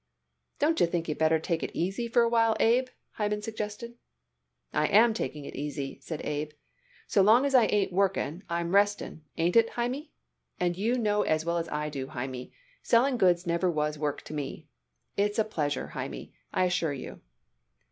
"Don't you think you'd better take it easy for a while, Abe?" Hyman suggested. "I am taking it easy," said Abe. "So long as I ain't working I'm resting, ain't it, Hymie? And you know as well as I do, Hymie, selling goods never was work to me. It's a pleasure, Hymie, I assure you."